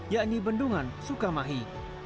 yakni bendungan sukamahi